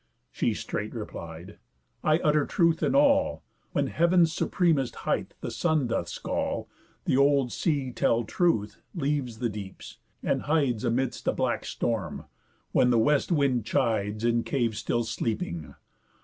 She straight replied: 'I'll utter truth in all: When heav'n's supremest height the sun doth skall, The old Sea tell truth leaves the deeps, and hides Amidst a black storm, when the West Wind chides, In caves still sleeping.